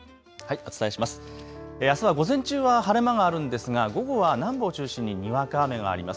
あすは午前中は晴れ間があるんですが午後は南部を中心ににわか雨があります。